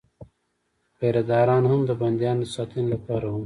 پیره داران هم د بندیانو د ساتنې لپاره وو.